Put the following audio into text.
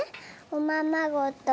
おままごと。